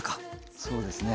そうですね。